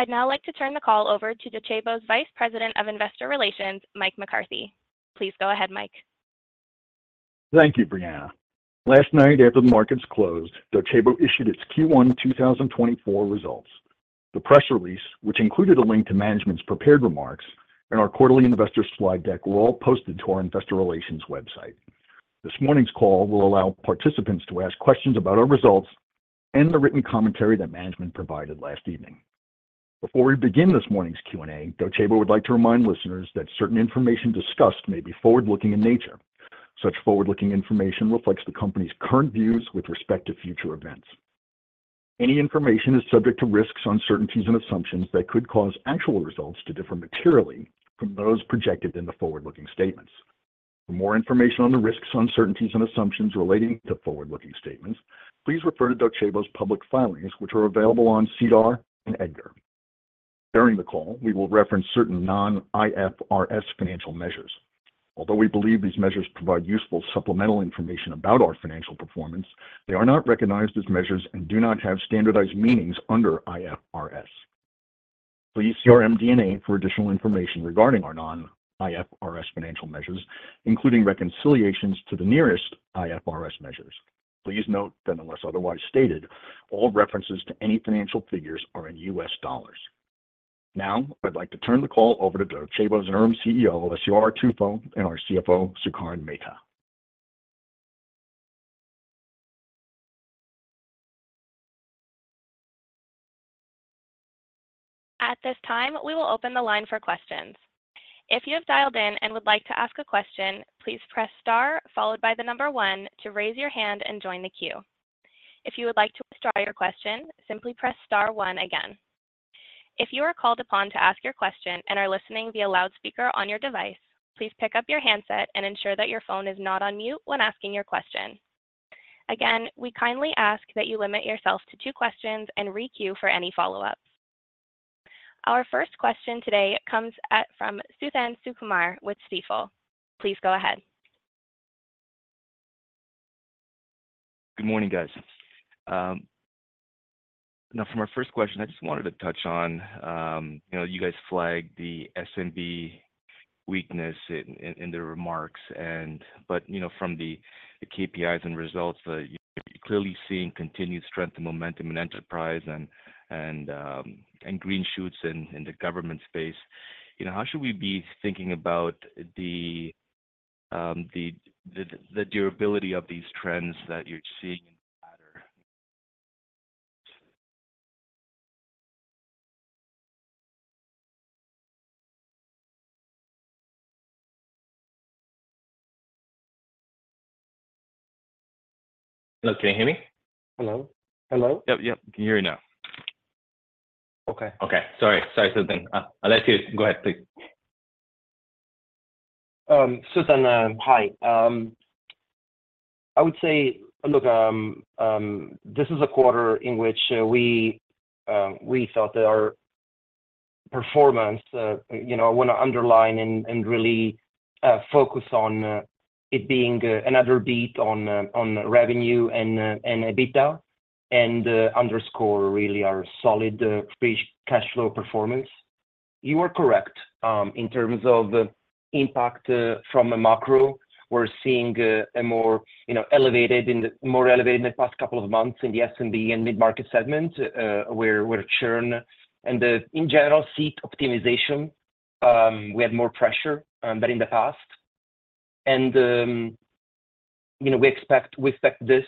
I'd now like to turn the call over to Docebo's Vice President of Investor Relations, Mike McCarthy. Please go ahead, Mike. Thank you, Brianna. Last night, after the markets closed, Docebo issued its Q1 2024 results. The press release, which included a link to management's prepared remarks and our quarterly investor slide deck, were all posted to our investor relations website. This morning's call will allow participants to ask questions about our results and the written commentary that management provided last evening. Before we begin this morning's Q&A, Docebo would like to remind listeners that certain information discussed may be forward-looking in nature. Such forward-looking information reflects the company's current views with respect to future events. Any information is subject to risks, uncertainties, and assumptions that could cause actual results to differ materially from those projected in the forward-looking statements. For more information on the risks, uncertainties and assumptions relating to forward-looking statements, please refer to Docebo's public filings, which are available on SEDAR and EDGAR. During the call, we will reference certain non-IFRS financial measures. Although we believe these measures provide useful supplemental information about our financial performance, they are not recognized as measures and do not have standardized meanings under IFRS. Please see our MD&A for additional information regarding our non-IFRS financial measures, including reconciliations to the nearest IFRS measures. Please note that unless otherwise stated, all references to any financial figures are in U.S. dollars. Now, I'd like to turn the call over to Docebo's interim CEO, Alessio Artuffo, and our CFO, Sukaran Mehta. At this time, we will open the line for questions. If you have dialed in and would like to ask a question, please press star followed by the number one to raise your hand and join the queue. If you would like to withdraw your question, simply press star one one again. If you are called upon to ask your question and are listening via loudspeaker on your device, please pick up your handset and ensure that your phone is not on mute when asking your question. Again, we kindly ask that you limit yourself to two questions and re-queue for any follow-up. Our first question today comes from Suthan Sukumar with Stifel. Please go ahead. Good morning, guys. Now, for my first question, I just wanted to touch on, you know, you guys flagged the SMB weakness in the remarks, and but, you know, from the KPIs and results, you're clearly seeing continued strength and momentum in enterprise and green shoots in the government space. You know, how should we be thinking about the durability of these trends that you're seeing in the latter? Hello, can you hear me? Hello? Hello? Yep, yep. Can hear you now. Okay. Okay. Sorry. Sorry, Suthan. Alessio, go ahead, please. Suthan, hi. I would say, look, this is a quarter in which we thought that our performance, you know, I want to underline and really focus on it being another beat on revenue and EBITDA, and underscore really our solid free cash flow performance. You are correct in terms of the impact from the macro. We're seeing a more, you know, elevated in the past couple of months in the SMB and mid-market segment, where churn and, in general, seat optimization, we had more pressure than in the past. And you know, we expect this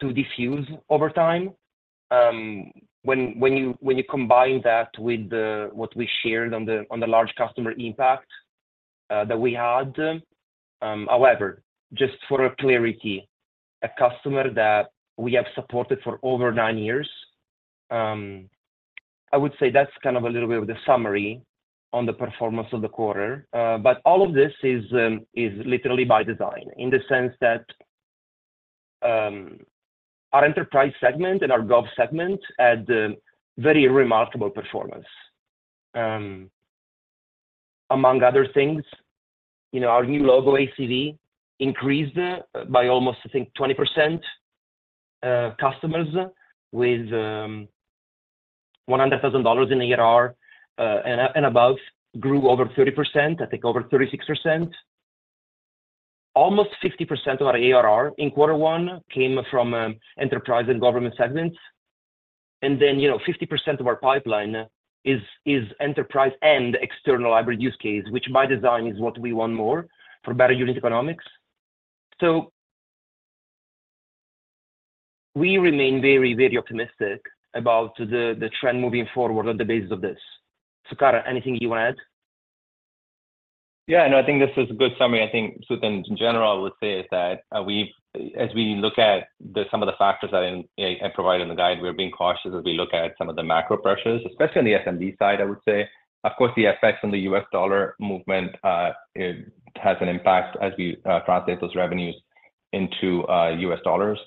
to diffuse over time. When you combine that with what we shared on the large customer impact that we had. However, just for a clarity, a customer that we have supported for over nine years, I would say that's kind of a little bit of the summary on the performance of the quarter. But all of this is literally by design, in the sense that our enterprise segment and our gov segment had a very remarkable performance. Among other things, you know, our new logo ACV increased by almost, I think, 20%, customers with $100,000 in ARR and above grew over 30%, I think over 36%. Almost 50% of our ARR in quarter one came from enterprise and government segments. And then, you know, 50% of our pipeline is, is enterprise and external hybrid use case, which by design is what we want more for better unit economics. So we remain very, very optimistic about the, the trend moving forward on the basis of this. Sukaran, anything you want to add? Yeah, no, I think this is a good summary. I think Suthan, in general, I would say is that, we've as we look at some of the factors that I provided in the guide, we're being cautious as we look at some of the macro pressures, especially on the SMB side, I would say. Of course, the effects on the U.S. dollar movement, it has an impact as we translate those revenues into U.S. dollars.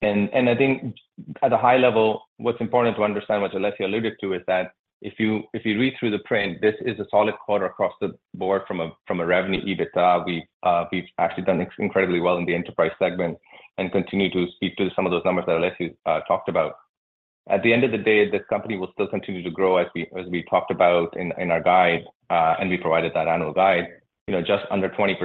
And I think at a high level, what's important to understand, which Alessio alluded to, is that if you read through the print, this is a solid quarter across the board from a revenue EBITDA. We've actually done incredibly well in the enterprise segment and continue to speak to some of those numbers that Alessio talked about. At the end of the day, this company will still continue to grow, as we talked about in our guide, and we provided that annual guide, you know, just under 20%,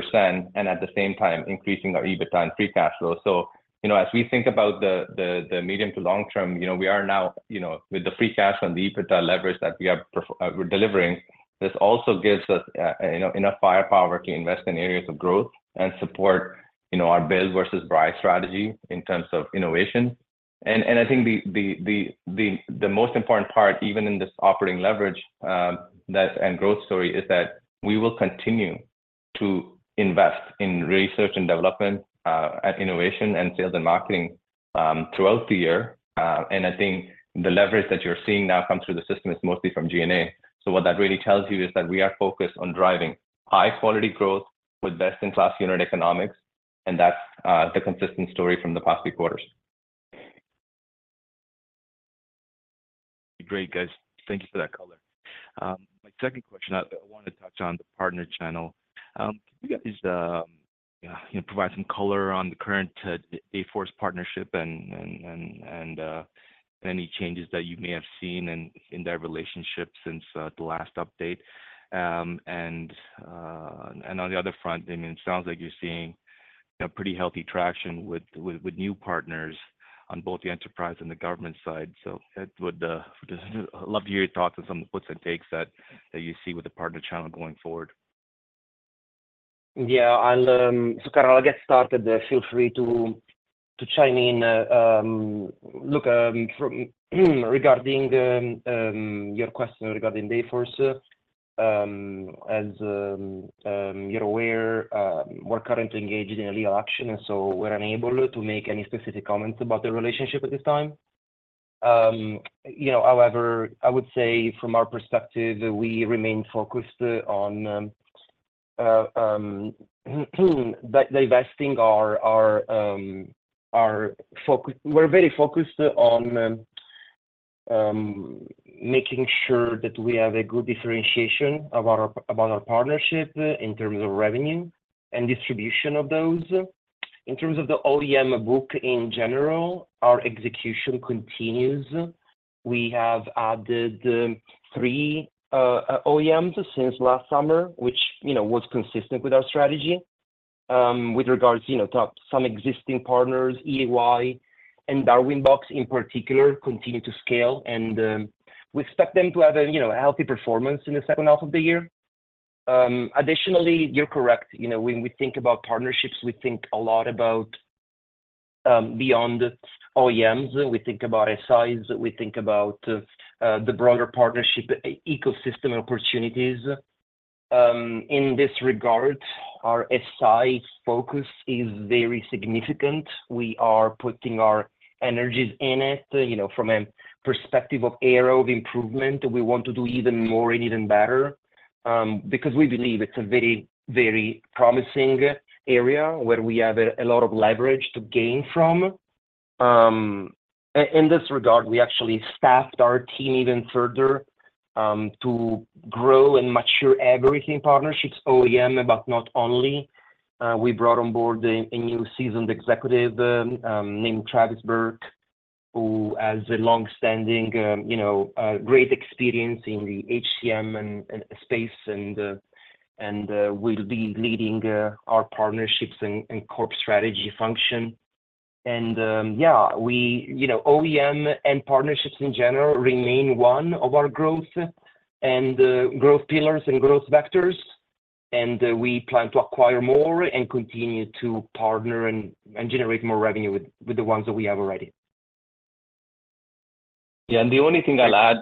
and at the same time, increasing our EBITDA and free cash flow. So, you know, as we think about the medium to long term, you know, we are now, you know, with the free cash and the EBITDA leverage that we're delivering, this also gives us, you know, enough firepower to invest in areas of growth and support our build versus buy strategy in terms of innovation. I think the most important part, even in this operating leverage and growth story, is that we will continue to invest in research and development, and innovation and sales and marketing, throughout the year. And I think the leverage that you're seeing now come through the system is mostly from G&A. So what that really tells you is that we are focused on driving high quality growth with best-in-class unit economics, and that's the consistent story from the past few quarters. Great, guys. Thank you for that color. My second question, I wanna touch on the partner channel. Can you guys, you know, provide some color on the current Salesforce partnership and any changes that you may have seen in that relationship since the last update? And on the other front, I mean, it sounds like you're seeing a pretty healthy traction with new partners on both the enterprise and the government side. So I would love to hear your thoughts on some of the puts and takes that you see with the partner channel going forward. Yeah, I'll get started there, feel free to chime in. Look, regarding your question regarding Salesforce, as you're aware, we're currently engaged in a legal action, and so we're unable to make any specific comments about the relationship at this time. You know, however, I would say from our perspective, we remain focused on diversifying our focus. We're very focused on making sure that we have a good differentiation about our partnership in terms of revenue and distribution of those. In terms of the OEM book in general, our execution continues. We have added 3 OEMs since last summer, which, you know, was consistent with our strategy. With regards, you know, to some existing partners, EY and Darwinbox in particular, continue to scale, and we expect them to have a, you know, a healthy performance in the second half of the year. Additionally, you're correct. You know, when we think about partnerships, we think a lot about, beyond OEMs. We think about SIs, we think about, the broader partnership ecosystem and opportunities. In this regard, our SI focus is very significant. We are putting our energies in it, you know, from a perspective of area of improvement, we want to do even more and even better, because we believe it's a very, very promising area where we have a lot of leverage to gain from. In this regard, we actually staffed our team even further, to grow and mature everything, partnerships, OEM, but not only. We brought on board a new seasoned executive named Travis Burke, who has a long-standing, you know, great experience in the HCM space, and will be leading our partnerships and corp strategy function. Yeah, we... You know, OEM and partnerships in general remain one of our growth pillars and growth vectors, and we plan to acquire more and continue to partner and generate more revenue with the ones that we have already. Yeah, and the only thing I'll add,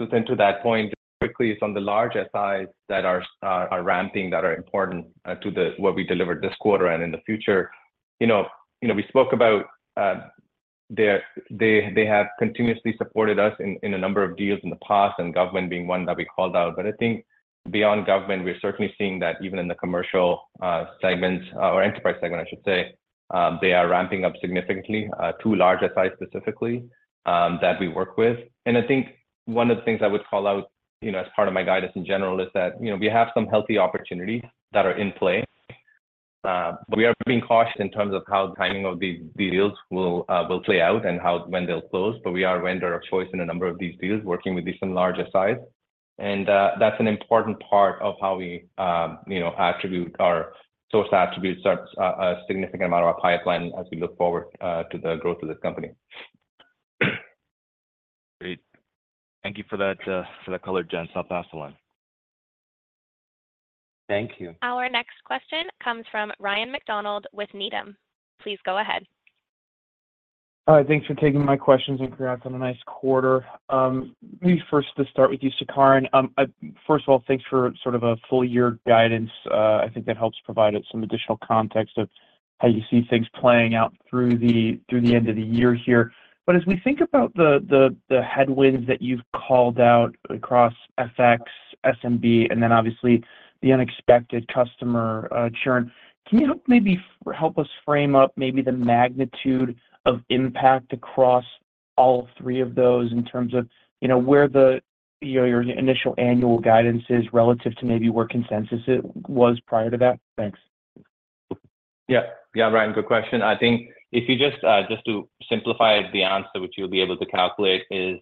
Suthan, to that point quickly, is on the large SIs that are ramping, that are important to what we delivered this quarter and in the future. You know, you know, we spoke about, they have continuously supported us in a number of deals in the past, and government being one that we called out. But I think beyond government, we're certainly seeing that even in the commercial segments, or enterprise segment, I should say, they are ramping up significantly, two larger SIs specifically, that we work with. And I think one of the things I would call out, you know, as part of my guidance in general, is that, you know, we have some healthy opportunities that are in play, but we are being cautious in terms of how the timing of these deals will play out and how, when they'll close. But we are vendor of choice in a number of these deals, working with these some larger SIs. And, that's an important part of how we, you know, attribute our source attributes, are a significant amount of our pipeline as we look forward to the growth of this company. Great. Thank you for that, for that color, gents. I'll pass along. Thank you. Our next question comes from Ryan MacDonald with Needham. Please go ahead. Thanks for taking my questions, and congrats on a nice quarter. Maybe first to start with you, Sukaran. First of all, thanks for sort of a full year guidance. I think that helps provide us some additional context of how you see things playing out through the end of the year here. But as we think about the headwinds that you've called out across FX, SMB, and then obviously the unexpected customer churn, can you help maybe, help us frame up maybe the magnitude of impact across all three of those in terms of, you know, where the, you know, your initial annual guidance is relative to maybe where consensus it was prior to that? Thanks.... Yeah. Yeah, Ryan, good question. I think if you just to simplify the answer, which you'll be able to calculate, is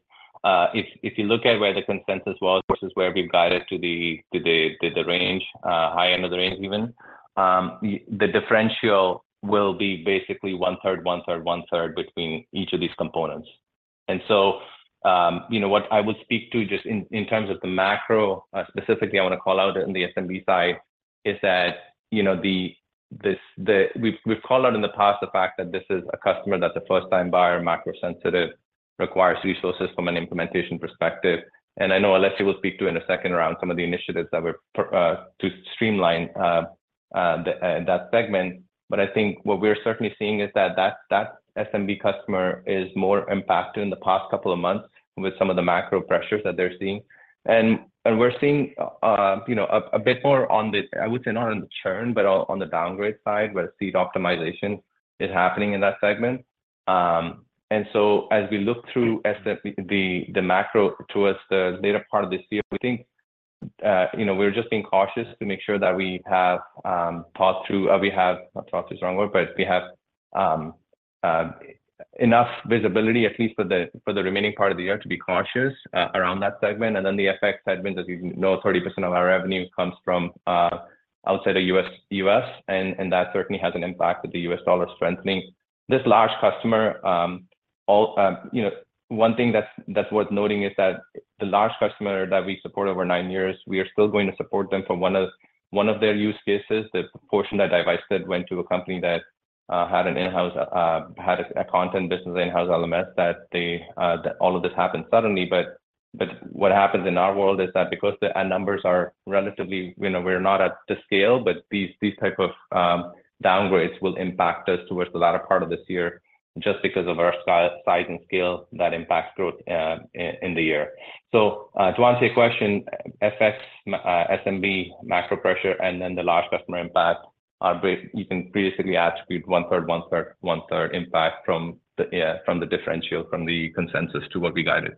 if you look at where the consensus was versus where we've guided to the range, high end of the range even, the differential will be basically one third, one third, one third between each of these components. And so, you know, what I would speak to just in terms of the macro, specifically I want to call out on the SMB side, is that, you know, we've called out in the past the fact that this is a customer that's a first-time buyer, macro sensitive, requires resources from an implementation perspective. I know Alessio will speak to in a second round some of the initiatives that we're to streamline the that segment. But I think what we're certainly seeing is that SMB customer is more impacted in the past couple of months with some of the macro pressures that they're seeing. And we're seeing you know a bit more on the... I would say not on the churn but on the downgrade side where seat optimization is happening in that segment. And so as we look through SMB, the, the macro towards the later part of this year, we think, you know, we're just being cautious to make sure that we have thought through, or we have, not thought through, is the wrong word, but we have enough visibility at least for the remaining part of the year to be cautious around that segment. And then the FX segment, as you know, 30% of our revenue comes from outside the U.S., and that certainly has an impact with the U.S. dollar strengthening. This large customer, you know, one thing that's worth noting is that the large customer that we supported over nine years, we are still going to support them for one of their use cases. The portion that I said went to a company that had an in-house content business, in-house LMS, that they all of this happened suddenly. But what happens in our world is that because our numbers are relatively, you know, we're not at the scale, but these type of downgrades will impact us towards the latter part of this year, just because of our style, size, and scale that impacts growth in the year. So to answer your question, FX, SMB, macro pressure, and then the large customer impact are bas- you can previously attribute 1/3, 1/3, 1/3 impact from the, yeah, from the differential, from the consensus to what we guided.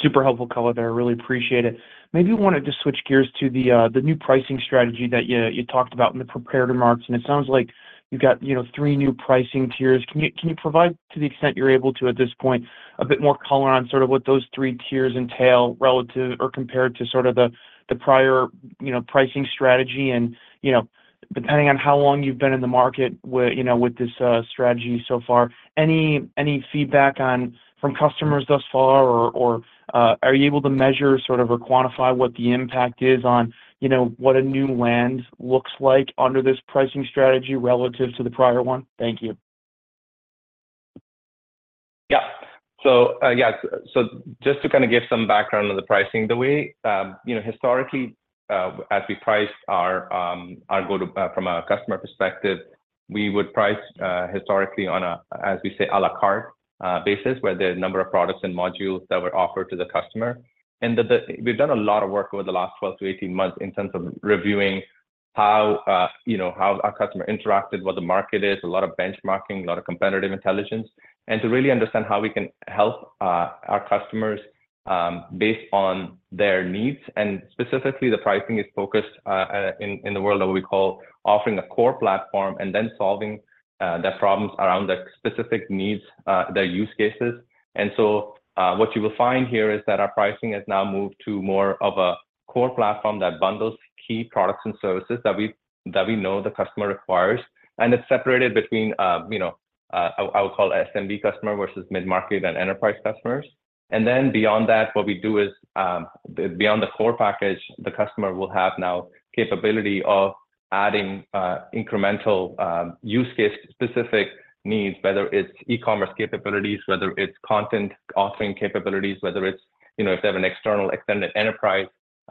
Super helpful color there. Really appreciate it. Maybe wanted to switch gears to the new pricing strategy that you talked about in the prepared remarks, and it sounds like you've got, you know, three new pricing tiers. Can you provide, to the extent you're able to at this point, a bit more color on sort of what those three tiers entail relative or compared to sort of the prior, you know, pricing strategy? And, you know, depending on how long you've been in the market with, you know, with this strategy so far, any feedback from customers thus far, or are you able to measure sort of or quantify what the impact is on, you know, what a new land looks like under this pricing strategy relative to the prior one? Thank you. Yeah. So, yeah. So just to kind of give some background on the pricing, the way, you know, historically, as we priced our, our go-to, from a customer perspective, we would price, historically on a, as we say, a la carte, basis, where there are a number of products and modules that were offered to the customer. And we've done a lot of work over the last 12-18 months in terms of reviewing how, you know, how our customer interacted, what the market is, a lot of benchmarking, a lot of competitive intelligence, and to really understand how we can help, our customers, based on their needs. Specifically, the pricing is focused in the world that we call offering a core platform and then solving the problems around the specific needs, their use cases. So, what you will find here is that our pricing has now moved to more of a core platform that bundles key products and services that we know the customer requires. And it's separated between, you know, I would call SMB customer versus mid-market and enterprise customers. And then beyond that, what we do is, beyond the core package, the customer will have now capability of adding incremental use case specific needs, whether it's e-commerce capabilities, whether it's content authoring capabilities, whether it's, you know, if they have an external extended enterprise,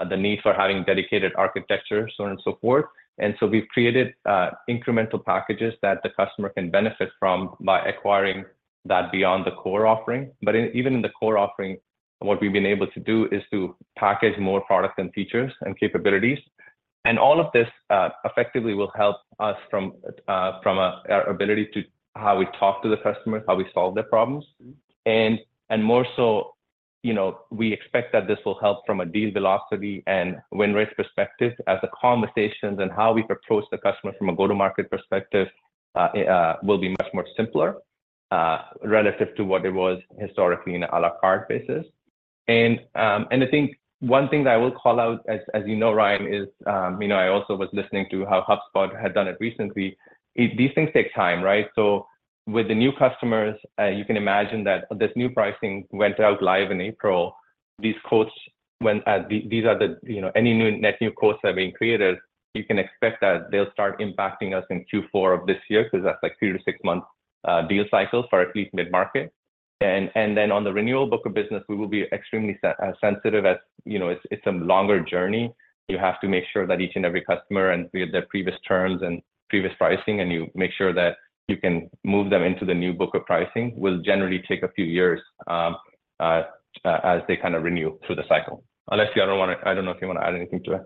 the need for having dedicated architecture, so on and so forth. And so we've created incremental packages that the customer can benefit from by acquiring that beyond the core offering. But even in the core offering, what we've been able to do is to package more products and features and capabilities. And all of this effectively will help us from our ability to how we talk to the customers, how we solve their problems. And more so, you know, we expect that this will help from a deal velocity and win rate perspective as the conversations and how we propose the customer from a go-to-market perspective will be much more simpler relative to what it was historically in a la carte basis. I think one thing that I will call out as, as you know, Ryan, is, you know, I also was listening to how HubSpot had done it recently. These things take time, right? So with the new customers, you can imagine that this new pricing went out live in April. These quotes, when these are the, you know, any new net new quotes that are being created, you can expect that they'll start impacting us in Q4 of this year, because that's like 2-6 months deal cycle for at least mid-market. And then on the renewal book of business, we will be extremely sensitive. As you know, it's a longer journey. You have to make sure that each and every customer and their previous terms and previous pricing, and you make sure that you can move them into the new book of pricing, will generally take a few years, as they kind of renew through the cycle. Alessio, I don't want to. I don't know if you want to add anything to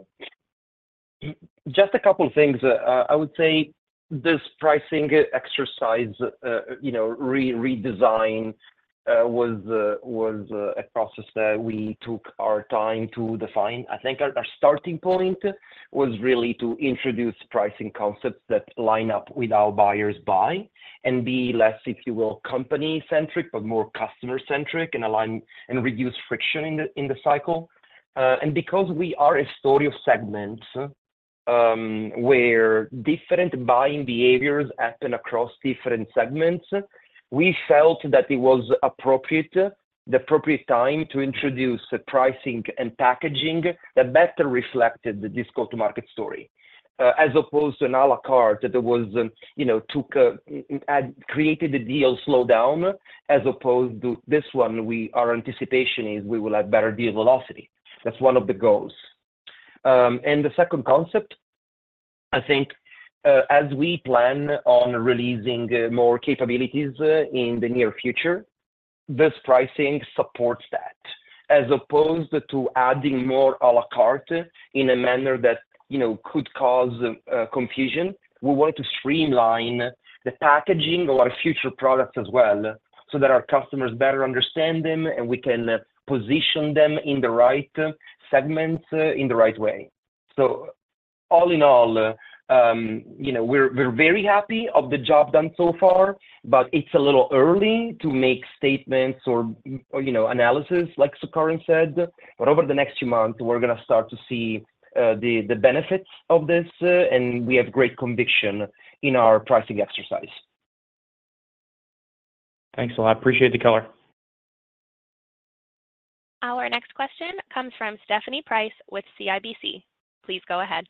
that. Just a couple of things. I would say this pricing exercise, you know, redesign was a process that we took our time to define. I think our starting point was really to introduce pricing concepts that line up with our buyers buy, and be less, if you will, company-centric, but more customer-centric, and align and reduce friction in the cycle. And because we are a story of segments, where different buying behaviors happen across different segments, we felt that it was appropriate, the appropriate time to introduce the pricing and packaging that better reflected the go-to-market story. As opposed to an à la carte that there was, you know, created a deal slowdown, as opposed to this one, our anticipation is we will have better deal velocity. That's one of the goals. And the second concept, I think, as we plan on releasing more capabilities in the near future, this pricing supports that, as opposed to adding more a la carte in a manner that, you know, could cause confusion. We wanted to streamline the packaging of our future products as well, so that our customers better understand them, and we can position them in the right segments in the right way. So all in all, you know, we're, we're very happy of the job done so far, but it's a little early to make statements or, you know, analysis, like Sukaran said. But over the next few months, we're gonna start to see the benefits of this, and we have great conviction in our pricing exercise. Thanks a lot. Appreciate the color. Our next question comes from Stephanie Price with CIBC. Please go ahead.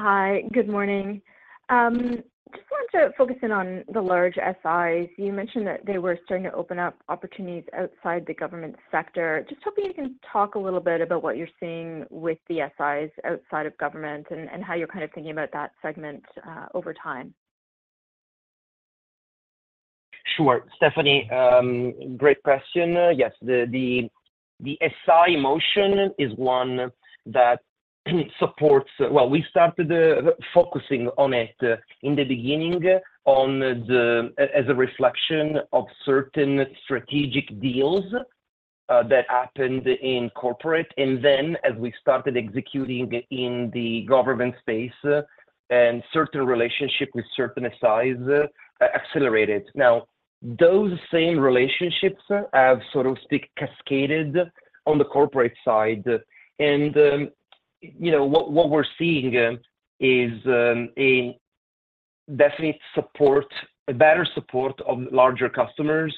Hi, good morning. Just wanted to focus in on the large SIs. You mentioned that they were starting to open up opportunities outside the government sector. Just hoping you can talk a little bit about what you're seeing with the SIs outside of government and, and how you're kind of thinking about that segment, over time. Sure, Stephanie, great question. Yes, the SI motion is one that supports... Well, we started focusing on it in the beginning as a reflection of certain strategic deals that happened in corporate. And then, as we started executing in the government space, and certain relationship with certain SIs accelerated. Now, those same relationships have, so to speak, cascaded on the corporate side. And, you know, what we're seeing is a definite support, a better support of larger customers.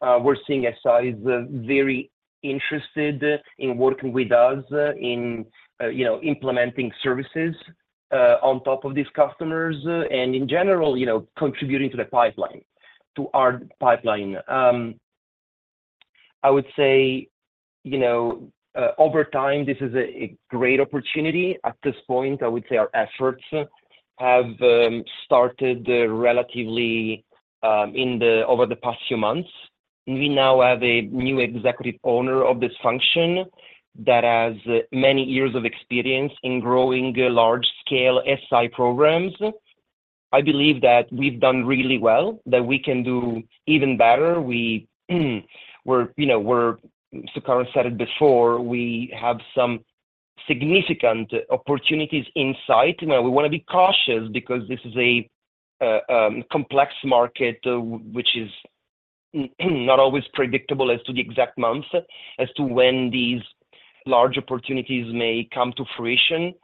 We're seeing SIs very interested in working with us in you know, implementing services on top of these customers, and in general, you know, contributing to the pipeline, to our pipeline. I would say, you know, over time, this is a great opportunity. At this point, I would say our efforts have started relatively over the past few months. We now have a new executive owner of this function that has many years of experience in growing large-scale SI programs. I believe that we've done really well, that we can do even better. You know, we're Sukaran said it before, we have some significant opportunities in sight. Now, we wanna be cautious because this is a complex market, which is not always predictable as to the exact months as to when these large opportunities may come to fruition.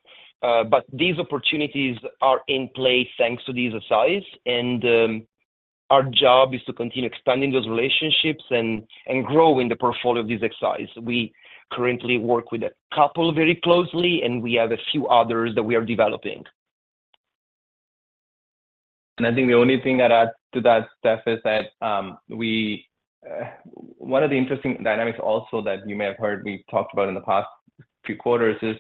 But these opportunities are in place, thanks to these SIs, and our job is to continue expanding those relationships and growing the portfolio of these SIs. We currently work with a couple very closely, and we have a few others that we are developing. And I think the only thing I'd add to that, Steph, is that, one of the interesting dynamics also that you may have heard me talked about in the past few quarters is,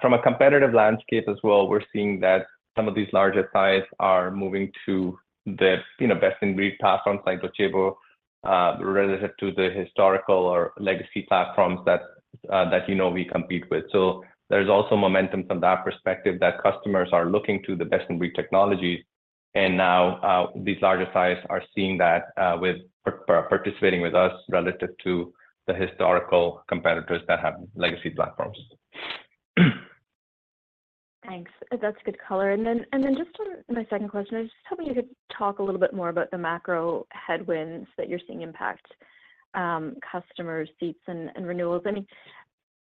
from a competitive landscape as well, we're seeing that some of these larger SIs are moving to the, you know, best-in-breed platforms like Docebo, relative to the historical or legacy platforms that, that you know we compete with. So there's also momentum from that perspective, that customers are looking to the best-in-breed technologies, and now, these larger SIs are seeing that, with participating with us relative to the historical competitors that have legacy platforms. Thanks. That's good color. And then just on my second question, I was just hoping you could talk a little bit more about the macro headwinds that you're seeing impact customers, seats, and renewals. I mean,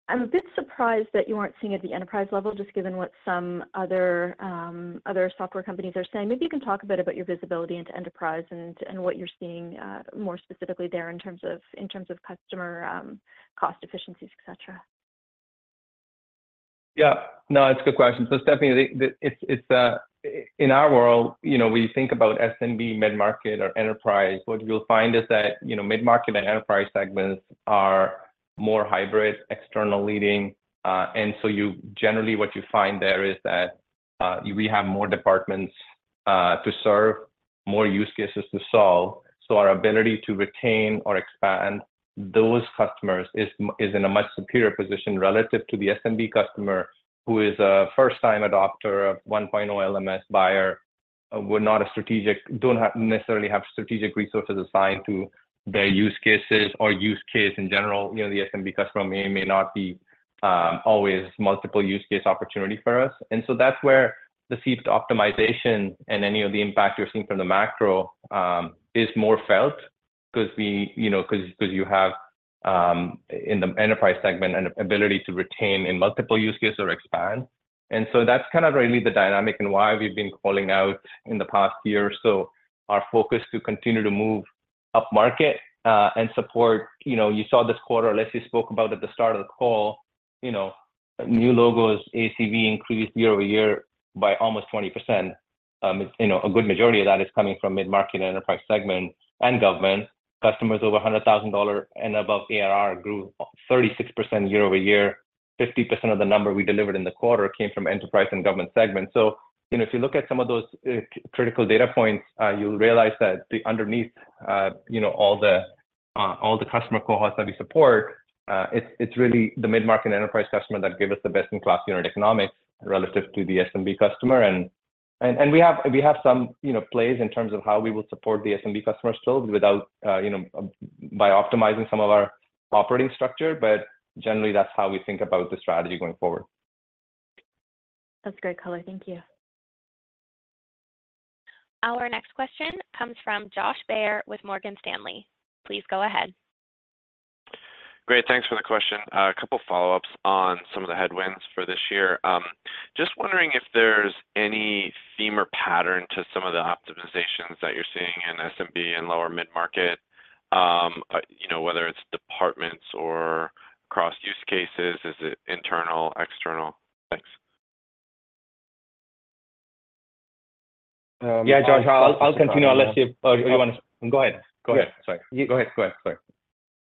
I'm a bit surprised that you aren't seeing it at the enterprise level, just given what some other software companies are saying. Maybe you can talk a bit about your visibility into enterprise and what you're seeing more specifically there in terms of customer cost efficiencies, et cetera. Yeah. No, it's a good question. So Stephanie. It's in our world, you know, we think about SMB, mid-market, or enterprise. What you'll find is that, you know, mid-market and enterprise segments are more hybrid, external leading. And so generally, what you find there is that, we have more departments to serve, more use cases to solve. So our ability to retain or expand those customers is in a much superior position relative to the SMB customer, who is a first-time adopter of one point LMS buyer. We're not a strategic - don't necessarily have strategic resources assigned to their use cases or use case in general. You know, the SMB customer may or may not be always multiple use case opportunity for us. So that's where the seats optimization and any of the impact you're seeing from the macro is more felt 'cause we, you know, 'cause you have in the enterprise segment an ability to retain in multiple use cases or expand. So that's kind of really the dynamic and why we've been calling out in the past year or so our focus to continue to move upmarket and support. You know, you saw this quarter, what we spoke about at the start of the call, you know, new logos, ACV increased year-over-year by almost 20%. You know, a good majority of that is coming from mid-market and enterprise segment and government. Customers over $100,000 and above ARR grew 36% year-over-year. 50% of the number we delivered in the quarter came from enterprise and government segment. So, you know, if you look at some of those critical data points, you'll realize that the underlying, you know, all the customer cohorts that we support, it's really the mid-market enterprise customer that give us the best-in-class unit economics relative to the SMB customer. And we have some, you know, plays in terms of how we will support the SMB customer still without, you know, by optimizing some of our operating structure. But generally, that's how we think about the strategy going forward. That's great, color. Thank you. Our next question comes from Josh Baer with Morgan Stanley. Please go ahead. Great. Thanks for the question. A couple of follow-ups on some of the headwinds for this year. Just wondering if there's any theme or pattern to some of the optimizations that you're seeing in SMB and lower mid-market, you know, whether it's departments or cross use cases, is it internal, external? Thanks. Yeah, Josh, I'll continue unless you want to go ahead. Sorry. Go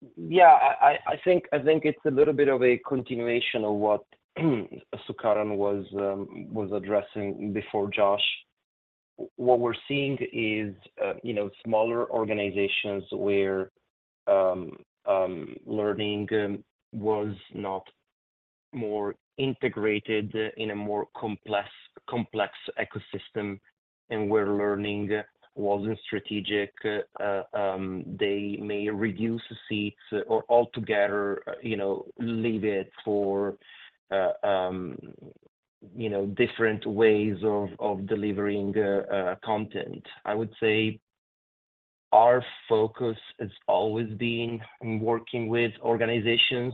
ahead. Yeah, I think it's a little bit of a continuation of what Sukaran was addressing before, Josh. What we're seeing is, you know, smaller organizations where learning was not more integrated in a more complex ecosystem and where learning wasn't strategic, they may reduce the seats or altogether, you know, leave it for, you know, different ways of delivering content. I would say our focus has always been in working with organizations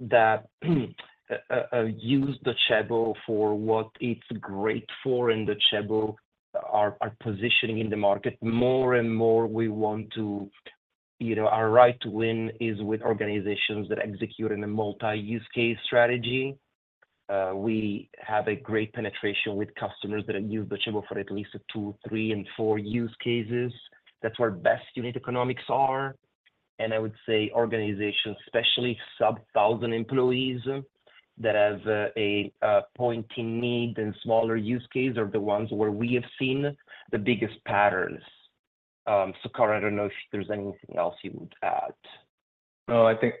that use the Docebo for what it's great for in the Docebo's positioning in the market. More and more we want to, you know, our right to win is with organizations that execute in a multi-use case strategy. We have a great penetration with customers that have used the Docebo for at least 2, 3, and 4 use cases. That's where best unit economics are. And I would say organizations, especially sub-1,000 employees, that has a pointy need and smaller use case, are the ones where we have seen the biggest patterns. Sukaran, I don't know if there's anything else you would add. No, I think,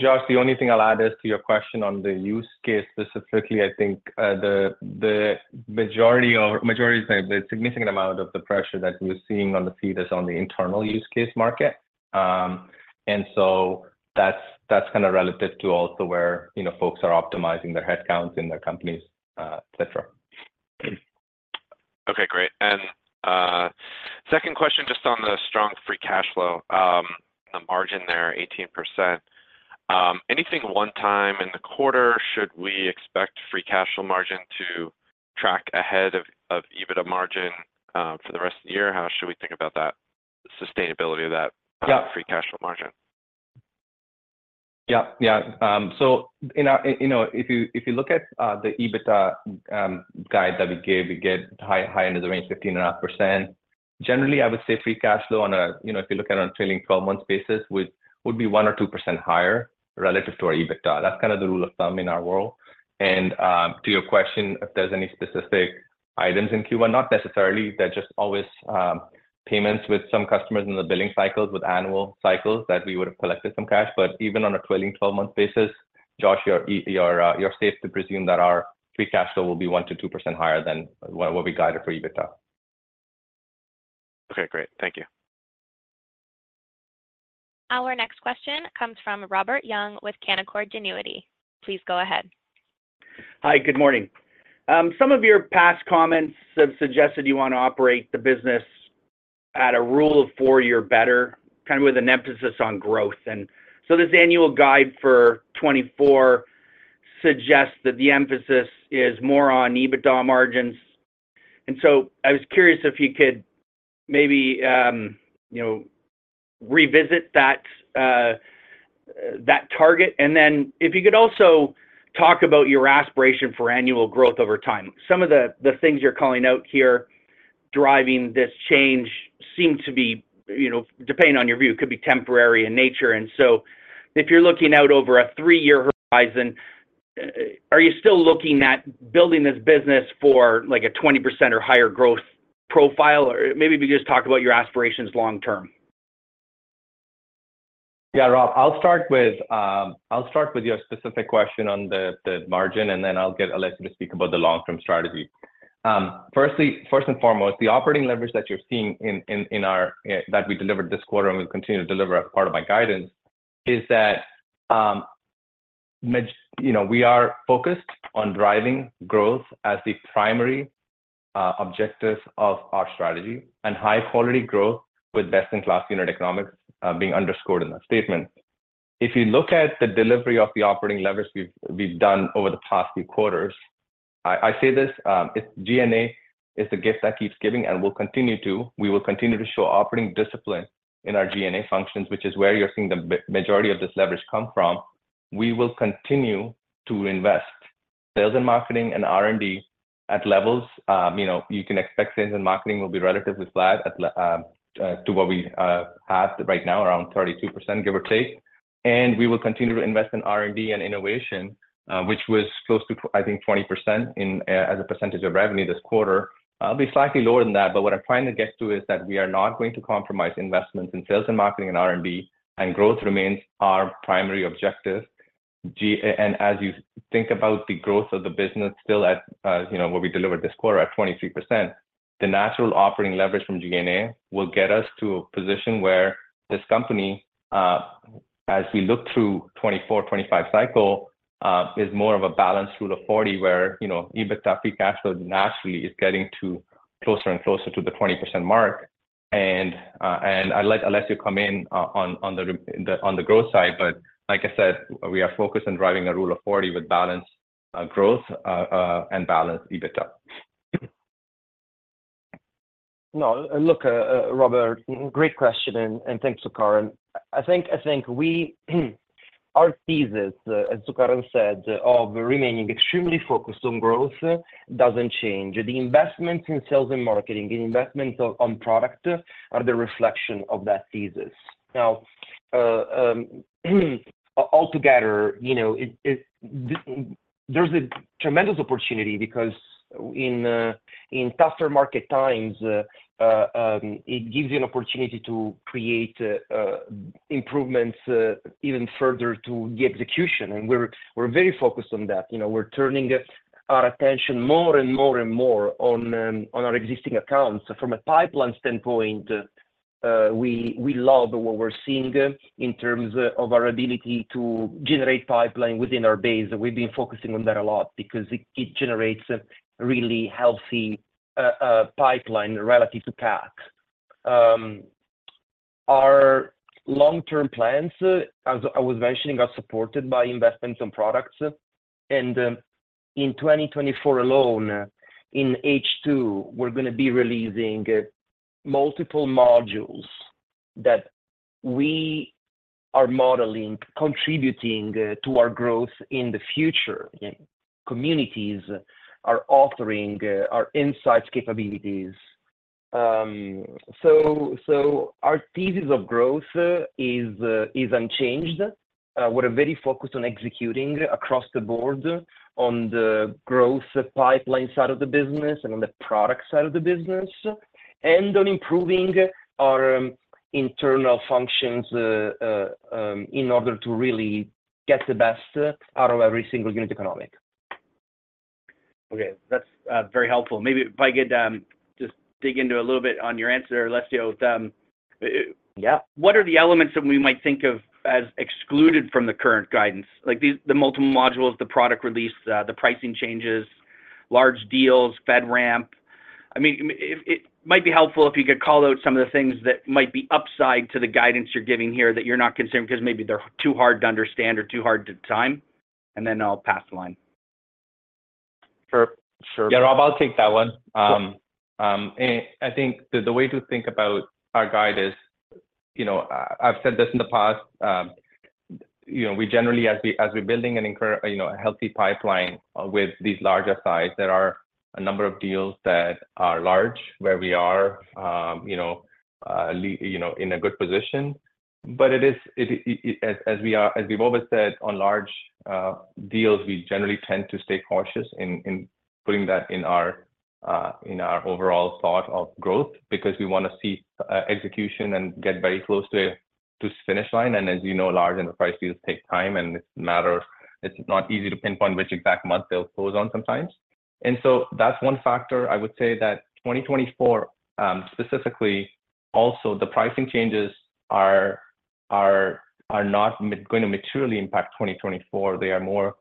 Josh, the only thing I'll add is to your question on the use case specifically, I think, the majority, to say, the significant amount of the pressure that we're seeing on the seat is on the internal use case market. And so that's kinda relative to also where, you know, folks are optimizing their headcounts in their companies, et cetera. Okay, great. Second question, just on the strong free cash flow, the margin there, 18%. Anything one time in the quarter, should we expect free cash flow margin to track ahead of, of EBITDA margin, for the rest of the year? How should we think about that, the sustainability of that- Yeah... free cash flow margin? Yeah. Yeah. So, you know, if you look at the EBITDA guide that we gave, we get high, high into the range, 15.5%. Generally, I would say free cash flow, you know, if you look at on a trailing twelve-month basis, would be 1%-2% higher relative to our EBITDA. That's kind of the rule of thumb in our world. And to your question, if there's any specific items in Q1, not necessarily. They're just always payments with some customers in the billing cycles, with annual cycles, that we would have collected some cash. But even on a trailing twelve-month basis, Josh, you're safe to presume that our free cash flow will be 1%-2% higher than what we guided for EBITDA. Okay, great. Thank you. Our next question comes from Robert Young with Canaccord Genuity. Please go ahead. Hi, good morning. Some of your past comments have suggested you want to operate the business at a Rule of 40 or better, kind of with an emphasis on growth. And so this annual guide for 2024 suggests that the emphasis is more on EBITDA margins. And so I was curious if you could maybe, you know, revisit that, that target, and then if you could also talk about your aspiration for annual growth over time. Some of the, the things you're calling out here, driving this change seem to be, you know, depending on your view, could be temporary in nature. And so if you're looking out over a three-year horizon, are you still looking at building this business for, like, a 20% or higher growth profile? Or maybe if you just talk about your aspirations long term.... Yeah, Rob, I'll start with your specific question on the margin, and then I'll get Alessio to speak about the long-term strategy. Firstly, first and foremost, the operating leverage that you're seeing in our that we delivered this quarter and we'll continue to deliver as part of my guidance, is that you know, we are focused on driving growth as the primary objective of our strategy, and high-quality growth with best-in-class unit economics being underscored in that statement. If you look at the delivery of the operating leverage we've done over the past few quarters, I say this, it's G&A is the gift that keeps giving and will continue to. We will continue to show operating discipline in our G&A functions, which is where you're seeing the majority of this leverage come from. We will continue to invest sales and marketing and R&D at levels. You know, you can expect sales and marketing will be relatively flat at levels to what we have right now, around 32%, give or take. And we will continue to invest in R&D and innovation, which was close to, I think, 20% as a percentage of revenue this quarter. It'll be slightly lower than that, but what I'm trying to get to is that we are not going to compromise investments in sales and marketing and R&D, and growth remains our primary objective. G&A and as you think about the growth of the business still at, you know, where we delivered this quarter, at 23%, the natural operating leverage from G&A will get us to a position where this company, as we look through 2024, 2025 cycle, is more of a balanced Rule of 40, where, you know, EBITDA free cash flow naturally is getting closer and closer to the 20% mark. And I'll let Alessio come in on the growth side, but like I said, we are focused on driving a Rule of 40 with balanced growth and balanced EBITDA. No, look, Robert, great question, and thanks, Sukaran. I think we our thesis, as Sukaran said, of remaining extremely focused on growth doesn't change. The investment in sales and marketing, the investment on product, are the reflection of that thesis. Now, all together, you know, it there's a tremendous opportunity because in tougher market times, it gives you an opportunity to create improvements even further to the execution, and we're very focused on that. You know, we're turning our attention more and more and more on our existing accounts. From a pipeline standpoint, we love what we're seeing in terms of our ability to generate pipeline within our base. We've been focusing on that a lot because it generates a really healthy pipeline relative to CAC. Our long-term plans, as I was mentioning, are supported by investments and products. In 2024 alone, in H2, we're gonna be releasing multiple modules that we are modeling, contributing to our growth in the future. Communities, our authoring, our Insights capabilities. So our thesis of growth is unchanged. We're very focused on executing across the board on the growth pipeline side of the business and on the product side of the business, and on improving our internal functions in order to really get the best out of every single unit economic. Okay, that's very helpful. Maybe if I could just dig into a little bit on your answer, Alessio. Yeah. What are the elements that we might think of as excluded from the current guidance? Like these, the multiple modules, the product release, the pricing changes, large deals, FedRAMP. I mean, it might be helpful if you could call out some of the things that might be upside to the guidance you're giving here that you're not considering, 'cause maybe they're too hard to understand or too hard to time, and then I'll pass the line. Sure. Sure. Yeah, Rob, I'll take that one. Sure. I think the way to think about our guide is, you know, I've said this in the past, you know, we generally, as we're building a healthy pipeline with these larger size, there are a number of deals that are large, where we are, you know, in a good position. But it is, as we've always said, on large deals, we generally tend to stay cautious in putting that in our overall thought of growth, because we wanna see execution and get very close to finish line. And as you know, large enterprise deals take time, and it matters. It's not easy to pinpoint which exact month they'll close on sometimes. And so that's one factor. I would say that 2024, specifically, also the pricing changes are not going to materially impact 2024. They are more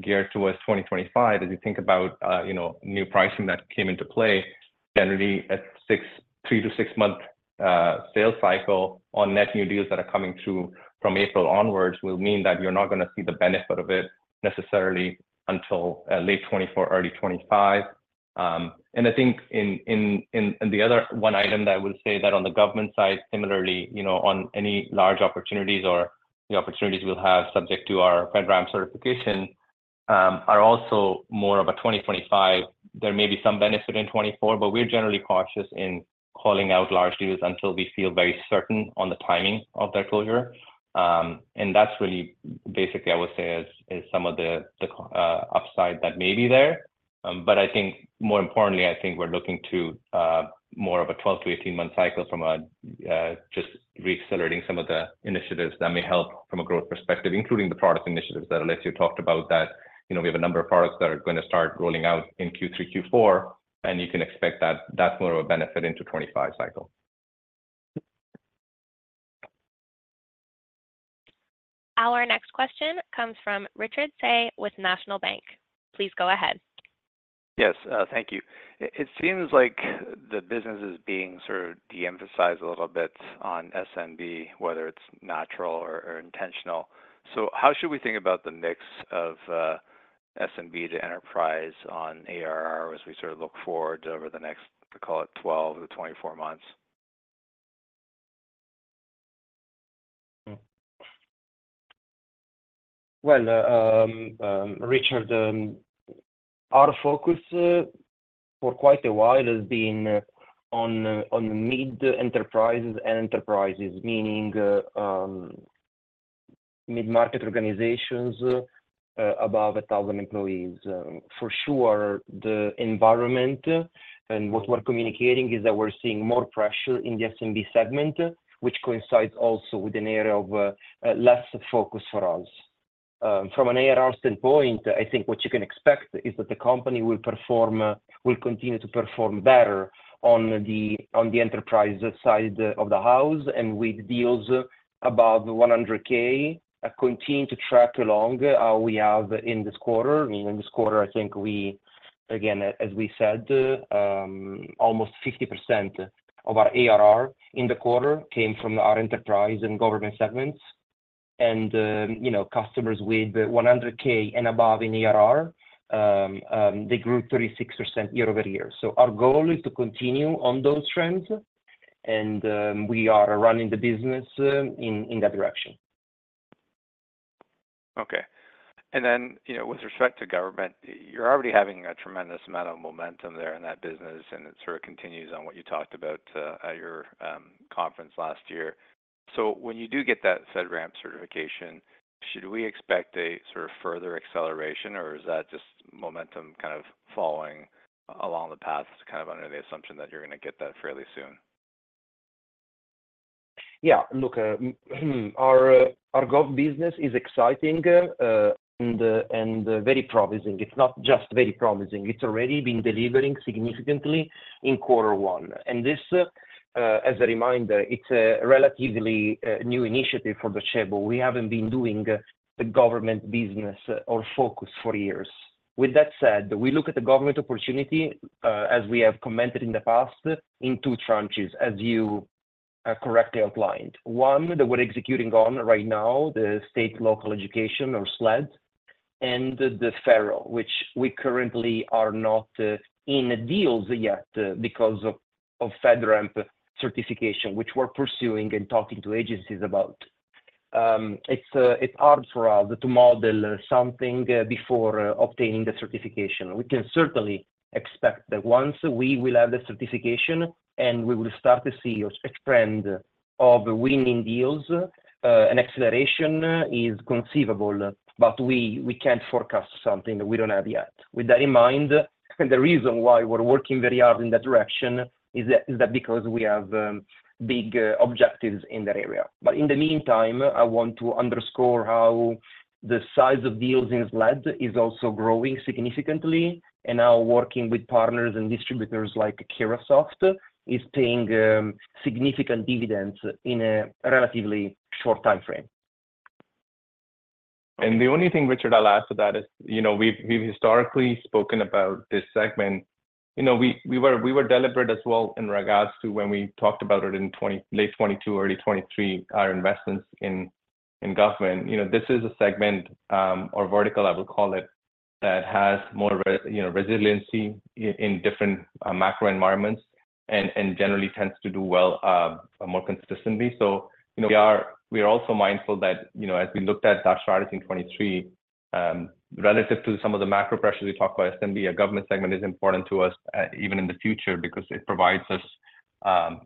geared towards 2025. As you think about, you know, new pricing that came into play, generally at 3 to 6 month sales cycle on net new deals that are coming through from April onwards, will mean that you're not gonna see the benefit of it necessarily until late 2024, early 2025. And I think the other one item that I would say that on the government side, similarly, you know, on any large opportunities or the opportunities we'll have, subject to our FedRAMP certification, are also more of a 2025. There may be some benefit in 2024, but we're generally cautious in calling out large deals until we feel very certain on the timing of their closure. That's really, basically, I would say, is some of the upside that may be there. But I think more importantly, I think we're looking to more of a 12 to 18 month cycle from a just reaccelerating some of the initiatives that may help from a growth perspective, including the product initiatives that Alessio talked about, that, you know, we have a number of products that are gonna start rolling out in Q3, Q4, and you can expect that that's more of a benefit into 2025 cycle. Our next question comes from Richard Tse with National Bank. Please go ahead. Yes, thank you. It seems like the business is being sort of de-emphasized a little bit on SMB, whether it's natural or intentional. So how should we think about the mix of SMB to enterprise on ARR as we sort of look forward over the next, call it, 12-24 months? Well, Richard, our focus for quite a while has been on mid-enterprises and enterprises, meaning mid-market organizations above 1,000 employees. For sure, the environment and what we're communicating is that we're seeing more pressure in the SMB segment, which coincides also with an area of less focus for us. From an ARR standpoint, I think what you can expect is that the company will continue to perform better on the enterprise side of the house, and with deals above $100,000 continue to track along we have in this quarter. I mean, in this quarter, I think we again, as we said, almost 50% of our ARR in the quarter came from our enterprise and government segments. You know, customers with 100,000 and above in ARR, they grew 36% year-over-year. Our goal is to continue on those trends, and we are running the business in that direction. Okay. And then, you know, with respect to government, you're already having a tremendous amount of momentum there in that business, and it sort of continues on what you talked about at your conference last year. So when you do get that FedRAMP certification, should we expect a sort of further acceleration, or is that just momentum kind of following along the path, kind of under the assumption that you're gonna get that fairly soon? Yeah, look, our gov business is exciting and very promising. It's not just very promising. It's already been delivering significantly in quarter one, and this, as a reminder, it's a relatively new initiative for Docebo. We haven't been doing the government business or focus for years. With that said, we look at the government opportunity, as we have commented in the past, in two tranches, as you have correctly outlined. One, that we're executing on right now, the state local education, or SLED, and the federal, which we currently are not in deals yet, because of FedRAMP certification, which we're pursuing and talking to agencies about. It's hard for us to model something before obtaining the certification. We can certainly expect that once we will have the certification and we will start to see a trend of winning deals, an acceleration is conceivable, but we, we can't forecast something that we don't have yet. With that in mind, and the reason why we're working very hard in that direction is that, is that because we have, big objectives in that area. But in the meantime, I want to underscore how the size of deals in SLED is also growing significantly, and now working with partners and distributors like Carahsoft is paying, significant dividends in a relatively short timeframe. And the only thing, Richard, I'll add to that is, you know, we've historically spoken about this segment. You know, we were deliberate as well in regards to when we talked about it in late 2022, early 2023, our investments in government. You know, this is a segment or vertical, I would call it, that has more resiliency in different macro environments and generally tends to do well more consistently. So, you know, we are also mindful that, you know, as we looked at our strategy in 2023, relative to some of the macro pressures we talked about, SMB, our government segment is important to us even in the future because it provides us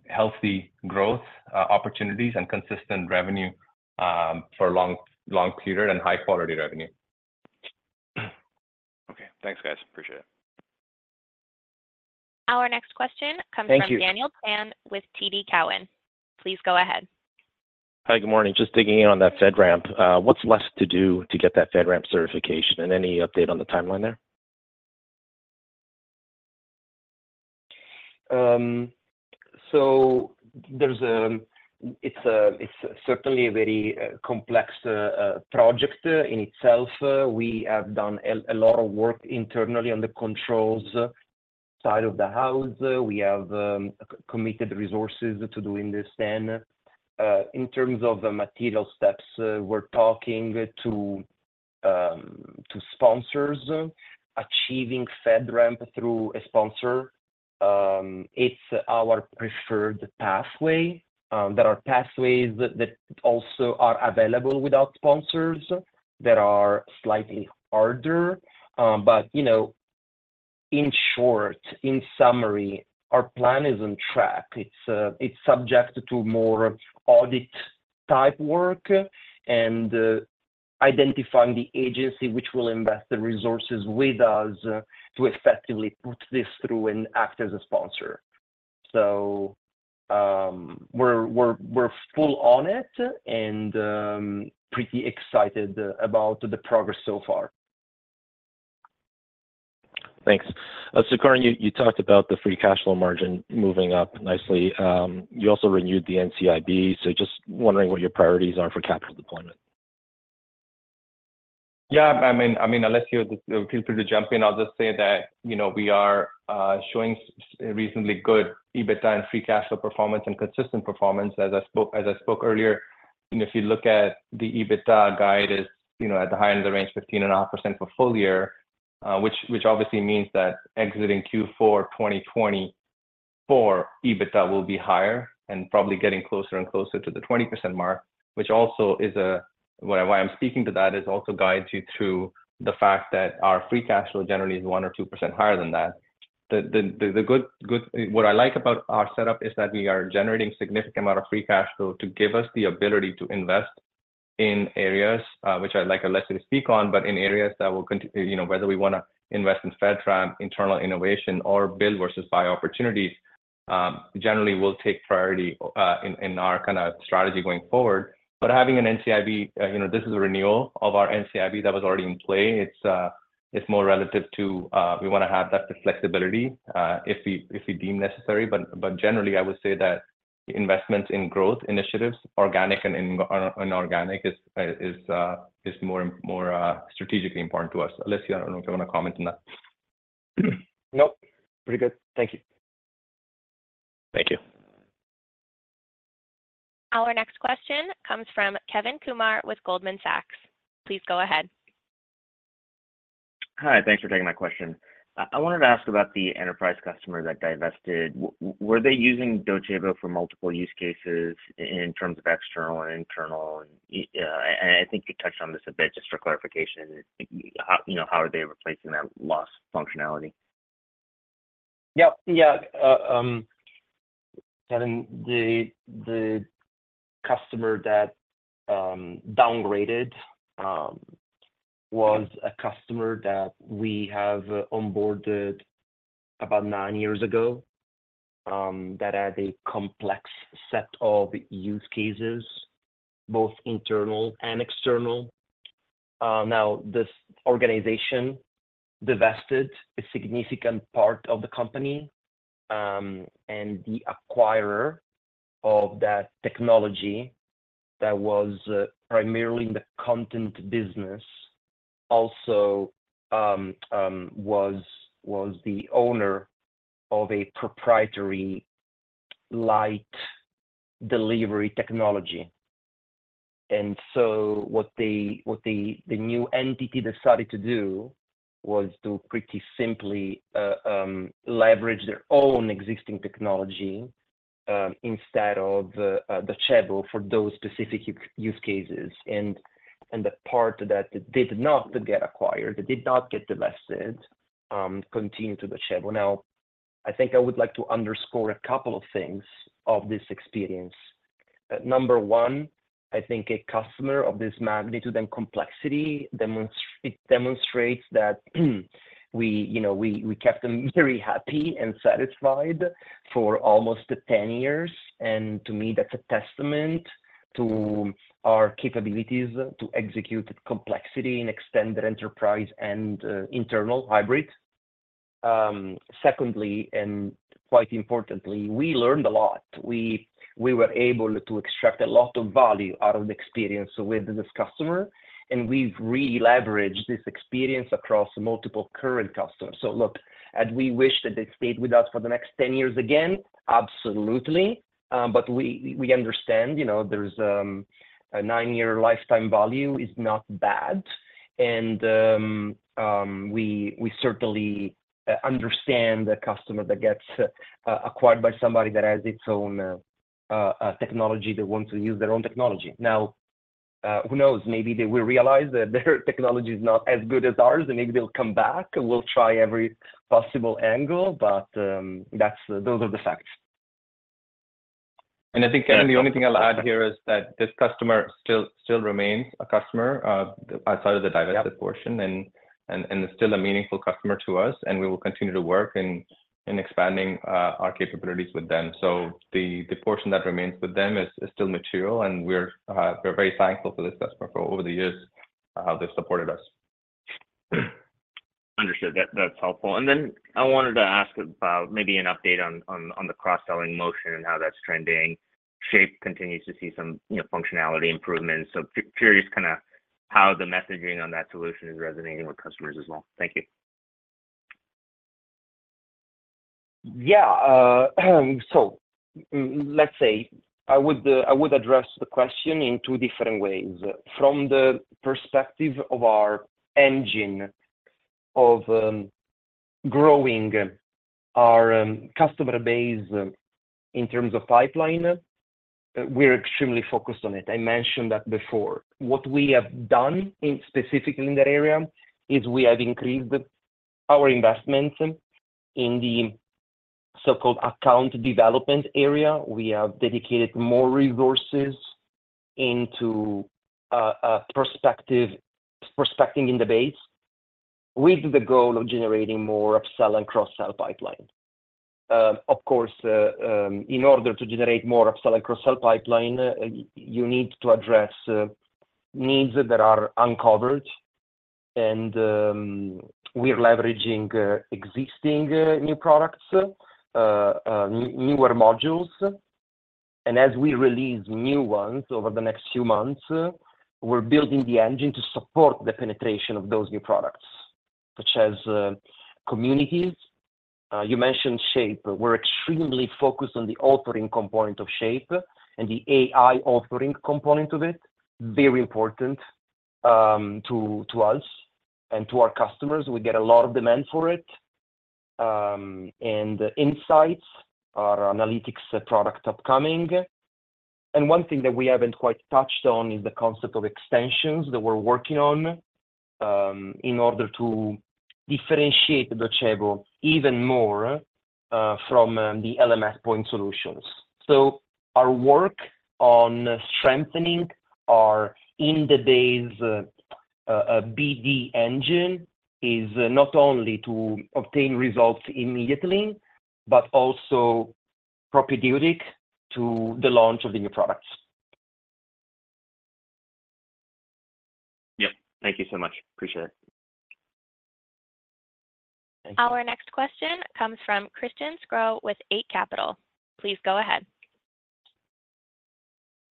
healthy growth opportunities and consistent revenue for long period and high-quality revenue. Okay. Thanks, guys. Appreciate it. Our next question- Thank you... comes from Daniel Chan with TD Cowen. Please go ahead. Hi, good morning. Just digging in on that FedRAMP, what's left to do to get that FedRAMP certification, and any update on the timeline there? So there's a, it's certainly a very complex project in itself. We have done a lot of work internally on the controls side of the house. We have committed resources to doing this then. In terms of the material steps, we're talking to sponsors, achieving FedRAMP through a sponsor, it's our preferred pathway. There are pathways that also are available without sponsors that are slightly harder, but, you know, in short, in summary, our plan is on track. It's subject to more audit-type work and identifying the agency which will invest the resources with us to effectively put this through and act as a sponsor. So, we're full on it, and pretty excited about the progress so far. Thanks. Sukaran, you talked about the free cash flow margin moving up nicely. You also renewed the NCIB, so just wondering what your priorities are for capital deployment? Yeah, I mean, I mean, unless you feel free to jump in, I'll just say that, you know, we are showing reasonably good EBITDA and free cash flow performance and consistent performance, as I spoke, as I spoke earlier. And if you look at the EBITDA guide is, you know, at the high end of the range, 15.5% for full year, which obviously means that exiting Q4 2020, for EBITDA will be higher and probably getting closer and closer to the 20% mark, which also is a- why, why I'm speaking to that, is also guides you through the fact that our free cash flow generally is 1%-2% higher than that. What I like about our setup is that we are generating significant amount of free cash flow to give us the ability to invest in areas, which I'd like Alessio to speak on, but in areas that will, you know, whether we wanna invest in FedRAMP, internal innovation or build versus buy opportunities, generally will take priority in our kind of strategy going forward. But having an NCIB, you know, this is a renewal of our NCIB that was already in play. It's more relative to we wanna have that flexibility if we deem necessary. But generally, I would say that investments in growth initiatives, organic and inorganic, is more strategically important to us. Alessio, I don't know if you want to comment on that. Nope, pretty good. Thank you. Thank you. Our next question comes from Kevin Kumar with Goldman Sachs. Please go ahead. Hi, thanks for taking my question. I wanted to ask about the enterprise customer that divested. Were they using Docebo for multiple use cases in terms of external and internal? And, and I think you touched on this a bit, just for clarification, how, you know, how are they replacing that lost functionality? Yeah, yeah. Kevin, the customer that downgraded was a customer that we have onboarded about nine years ago that had a complex set of use cases, both internal and external. Now, this organization divested a significant part of the company, and the acquirer of that technology that was primarily in the content business also was the owner of a proprietary light delivery technology. And so what the new entity decided to do was to pretty simply leverage their own existing technology instead of Docebo for those specific use cases. And the part that did not get acquired, that did not get divested, continued to Docebo. Now, I think I would like to underscore a couple of things of this experience. Number 1, I think a customer of this magnitude and complexity, it demonstrates that, we, you know, we, we kept them very happy and satisfied for almost 10 years. And to me, that's a testament to our capabilities to execute complexity in extended enterprise and internal hybrid. Secondly, and quite importantly, we learned a lot. We, we were able to extract a lot of value out of the experience with this customer, and we've really leveraged this experience across multiple current customers. So look, had we wished that they stayed with us for the next 10 years again? Absolutely. But we, we understand, you know, there's a 9-year lifetime value is not bad, and, we, we certainly understand the customer that gets acquired by somebody that has its own technology, they want to use their own technology. Now, who knows? Maybe they will realize that their technology is not as good as ours, and maybe they'll come back, and we'll try every possible angle, but, that's... Those are the facts. I think the only thing I'll add here is that this customer still remains a customer outside of the divested portion, and is still a meaningful customer to us, and we will continue to work in expanding our capabilities with them. So the portion that remains with them is still material, and we're very thankful for this customer for over the years how they supported us. Understood. That's helpful. And then I wanted to ask about maybe an update on the cross-selling motion and how that's trending. Shape continues to see some, you know, functionality improvements, so curious kind of how the messaging on that solution is resonating with customers as well. Thank you. Yeah, so let's say I would, I would address the question in two different ways. From the perspective of our engine of growing our customer base in terms of pipeline, we're extremely focused on it. I mentioned that before. What we have done specifically in that area is we have increased our investments in the so-called account development area. We have dedicated more resources into prospecting in the base with the goal of generating more upsell and cross-sell pipeline. Of course, in order to generate more upsell and cross-sell pipeline, you need to address needs that are uncovered. And, we are leveraging existing new products, newer modules. As we release new ones over the next few months, we're building the engine to support the penetration of those new products, such as Communities. You mentioned Shape. We're extremely focused on the authoring component of Shape and the AI authoring component of it. Very important to us and to our customers. We get a lot of demand for it. And Insights, our analytics product upcoming. And one thing that we haven't quite touched on is the concept of extensions that we're working on in order to differentiate the Docebo even more from the LMS point solutions. So our work on strengthening our inbound BD engine is not only to obtain results immediately, but also propaedeutic to the launch of the new products. Yep. Thank you so much. Appreciate it. Our next question comes from Christian Sgro with Eight Capital. Please go ahead.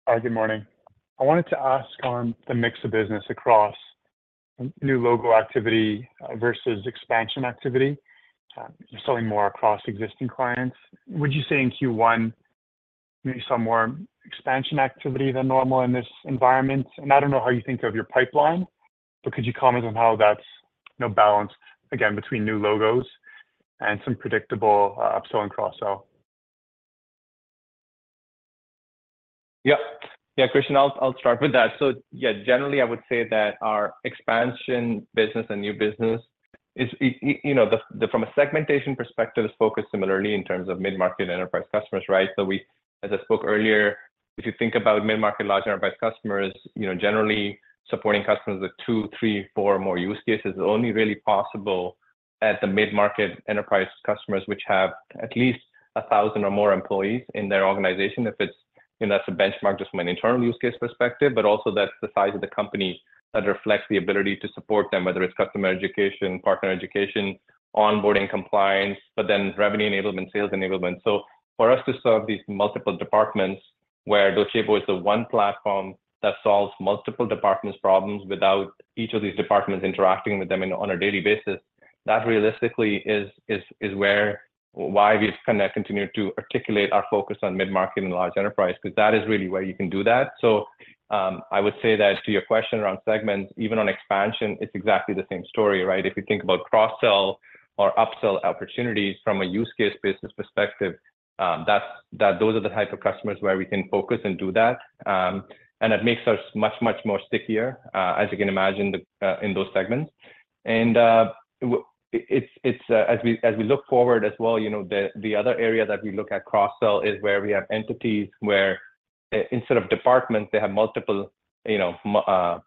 Hi, good morning. I wanted to ask on the mix of business across new logo activity versus expansion activity. You're selling more across existing clients. Would you say in Q1, maybe some more expansion activity than normal in this environment? And I don't know how you think of your pipeline, but could you comment on how that's, you know, balanced, again, between new logos and some predictable, upsell and cross-sell? Yeah. Yeah, Christian, I'll, I'll start with that. So yeah, generally, I would say that our expansion business and new business is, you know, the, from a segmentation perspective, is focused similarly in terms of mid-market enterprise customers, right? So we, as I spoke earlier, if you think about mid-market, large enterprise customers, you know, generally supporting customers with two, three, four or more use cases is only really possible at the mid-market enterprise customers, which have at least a thousand or more employees in their organization. If it's, and that's a benchmark just from an internal use case perspective, but also that's the size of the company that reflects the ability to support them, whether it's customer education, partner education, onboarding, compliance, but then revenue enablement, sales enablement. So for us to serve these multiple departments where Docebo is the one platform that solves multiple departments problems without each of these departments interacting with them on a daily basis, that realistically is where, why we've kinda continued to articulate our focus on mid-market and large enterprise, because that is really where you can do that. So, I would say that to your question around segments, even on expansion, it's exactly the same story, right? If you think about cross-sell or upsell opportunities from a use case business perspective, that's those are the type of customers where we can focus and do that. And it makes us much, much more stickier, as you can imagine, in those segments. It's as we look forward as well, you know, the other area that we look at cross-sell is where we have entities, where instead of departments, they have multiple, you know,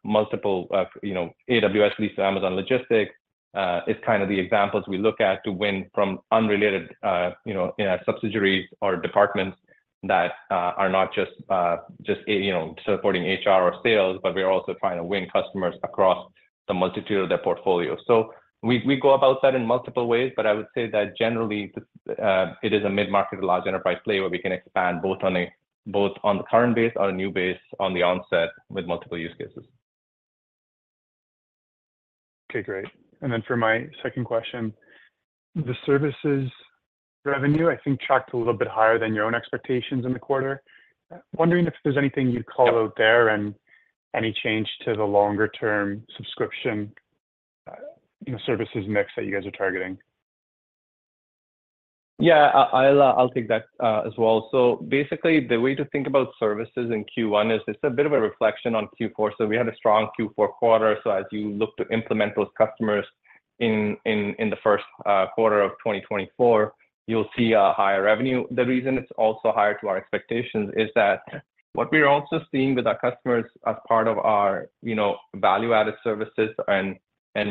multiple AWS leads to Amazon Logistics. It's kind of the examples we look at to win from unrelated subsidiaries or departments that are not just supporting HR or sales, but we are also trying to win customers across the multitude of their portfolio. So we go about that in multiple ways, but I would say that generally it is a mid-market, large enterprise play where we can expand both on the current base or a new base on the onset with multiple use cases. Okay, great. And then for my second question, the services revenue, I think, tracked a little bit higher than your own expectations in the quarter. Wondering if there's anything you'd call out there and any change to the longer-term subscription, you know, services mix that you guys are targeting? Yeah, I'll take that as well. So basically, the way to think about services in Q1 is it's a bit of a reflection on Q4. So we had a strong Q4 quarter. So as you look to implement those customers in the first quarter of 2024, you'll see a higher revenue. The reason it's also higher to our expectations is that what we are also seeing with our customers as part of our, you know, value-added services and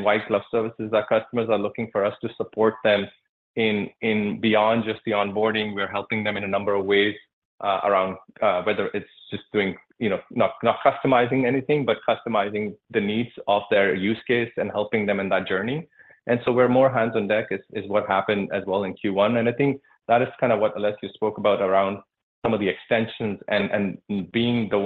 white glove services, our customers are looking for us to support them in beyond just the onboarding. We're helping them in a number of ways around whether it's just doing, you know, not customizing anything, but customizing the needs of their use case and helping them in that journey. We're more hands-on deck, is what happened as well in Q1. I think that is kinda what Alessio spoke about around some of the extensions and being the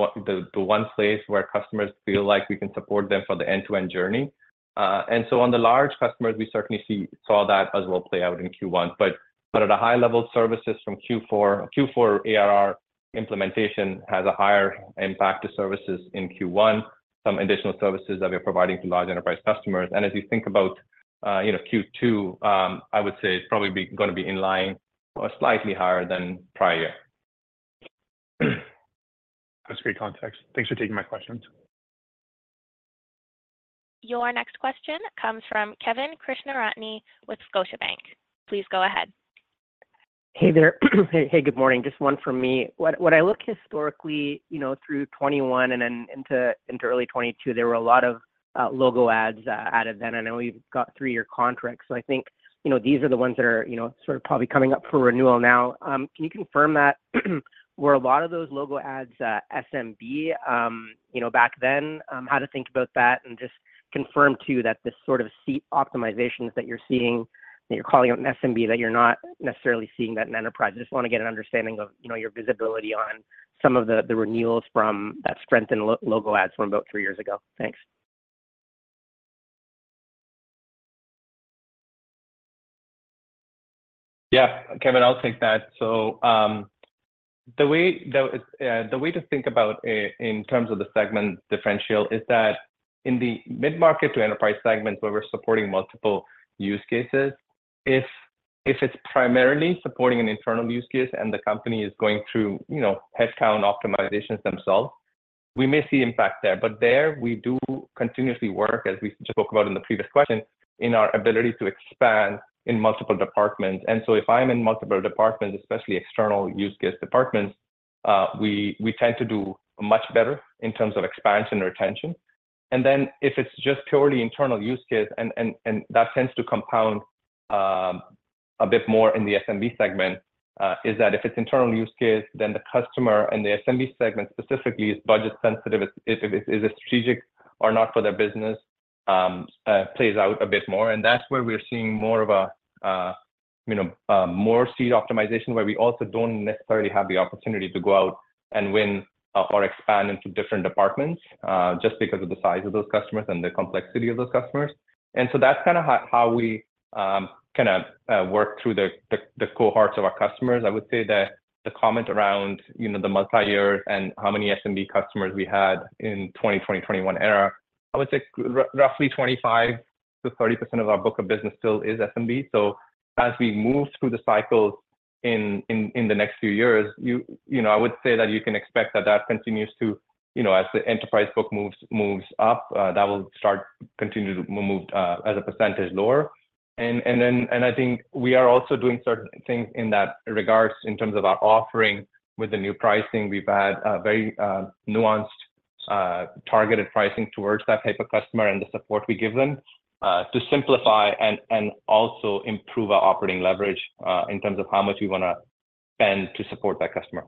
one place where customers feel like we can support them for the end-to-end journey. On the large customers, we certainly saw that as well play out in Q1. But at a high level, services from Q4, Q4 ARR implementation has a higher impact to services in Q1, some additional services that we're providing to large enterprise customers. As you think about, you know, Q2, I would say it's probably gonna be in line or slightly higher than prior year. That's great context. Thanks for taking my questions.... Your next question comes from Kevin Krishnaratne with Scotiabank. Please go ahead. Hey there. Hey, good morning. Just one from me. What, when I look historically, you know, through 2021 and then into early 2022, there were a lot of logo adds added then. I know you've got three-year contracts, so I think, you know, these are the ones that are, you know, sort of probably coming up for renewal now. Can you confirm that? Were a lot of those logo adds SMB, you know, back then? How to think about that, and just confirm, too, that this sort of seat optimizations that you're seeing, that you're calling out in SMB, that you're not necessarily seeing that in enterprise. I just wanna get an understanding of, you know, your visibility on some of the renewals from that strength in logo adds from about three years ago. Thanks. Yeah, Kevin, I'll take that. So, the way to think about in terms of the segment differential is that in the mid-market to enterprise segments, where we're supporting multiple use cases, if it's primarily supporting an internal use case and the company is going through, you know, headcount optimizations themselves, we may see impact there. But there, we do continuously work, as we just spoke about in the previous question, in our ability to expand in multiple departments. And so if I'm in multiple departments, especially external use case departments, we tend to do much better in terms of expansion and retention. Then if it's just purely internal use case, that tends to compound a bit more in the SMB segment, is that if it's internal use case, then the customer and the SMB segment specifically is budget sensitive. If it is a strategic or not for their business, plays out a bit more. And that's where we are seeing more of a you know more seat optimization, where we also don't necessarily have the opportunity to go out and win or expand into different departments just because of the size of those customers and the complexity of those customers. And so that's kinda how we kind of work through the cohorts of our customers. I would say that the comment around, you know, the multi-year and how many SMB customers we had in 2020-2021 era, I would say roughly 25%-30% of our book of business still is SMB. So as we move through the cycles in the next few years, you know, I would say that you can expect that that continues to, you know, as the enterprise book moves up, that will continue to move as a percentage lower. And then I think we are also doing certain things in that regards in terms of our offering with the new pricing. We've had a very nuanced, targeted pricing towards that type of customer and the support we give them to simplify and also improve our operating leverage in terms of how much we wanna spend to support that customer.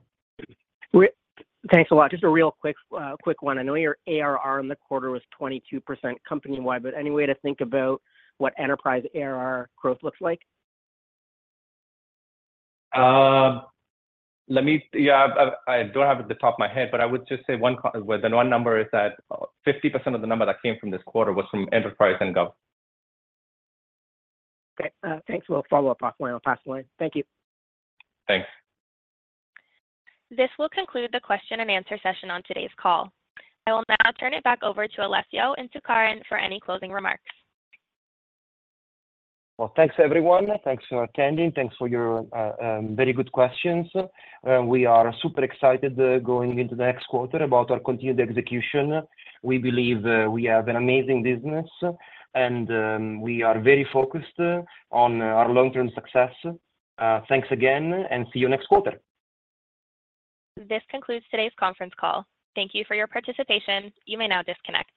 Thanks a lot. Just a real quick, quick one. I know your ARR in the quarter was 22% company-wide, but any way to think about what enterprise ARR growth looks like? Yeah, I don't have it at the top of my head, but I would just say, well, the one number is that 50% of the number that came from this quarter was from enterprise and gov. Okay, thanks. We'll follow up offline. I'll pass one. Thank you. Thanks. This will conclude the question and answer session on today's call. I will now turn it back over to Alessio and Sukaran for any closing remarks. Well, thanks, everyone. Thanks for attending. Thanks for your very good questions. We are super excited going into the next quarter about our continued execution. We believe we have an amazing business, and we are very focused on our long-term success. Thanks again, and see you next quarter. This concludes today's conference call. Thank you for your participation. You may now disconnect.